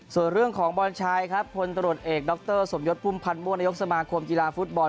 ส่วนเรื่องของบอลชายครับคนตรวจเอกดรสมยศพุ่มพันธ์ม่วงนายกสมาคมกีฬาฟุตบอล